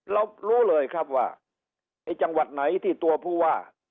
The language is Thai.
รู้เลยครับว่าไอ้จังหวัดไหนที่ตัวผู้ว่า